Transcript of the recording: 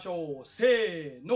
せの。